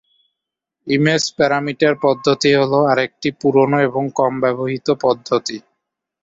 Image parameter পদ্ধতি হল আরেকটি পুরোনো এবং কম-ব্যবহৃত পদ্ধতি।